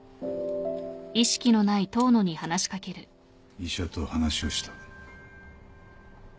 医者と話をした。